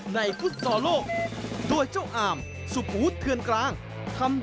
ในฟุตสาวโลก